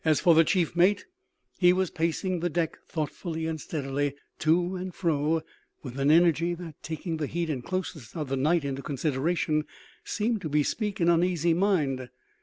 As for the chief mate, he was pacing the deck thoughtfully and steadily to and fro with an energy that, taking the heat and closeness of the night into consideration, seemed to bespeak an uneasy mind.